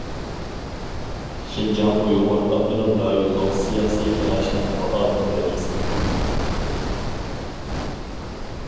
شىنجاڭ ئۇيغۇر ئاپتونوم رايونلۇق سىياسىي كېڭەشنىڭ مۇئاۋىن رەئىسى.